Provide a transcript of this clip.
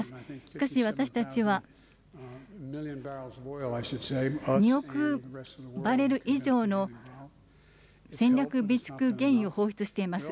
しかし、私たちは２億バレル以上の戦略備蓄原油を放出しています。